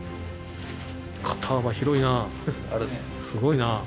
すごいな。